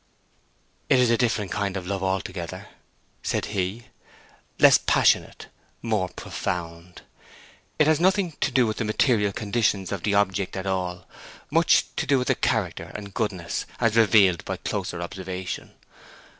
"It is a different kind of love altogether," said he. "Less passionate; more profound. It has nothing to do with the material conditions of the object at all; much to do with her character and goodness, as revealed by closer observation.